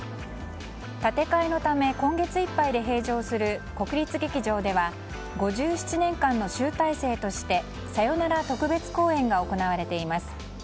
建て替えのため今月いっぱいで閉場する国立劇場では５７年間の集大成として「さよなら特別公演」が行われています。